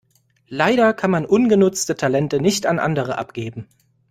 Leider kann man ungenutzte Talente nicht an andere abgeben.